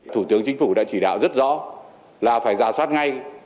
thủ tướng chính phủ đã chỉ đạo rất rõ là phải giả soát ngay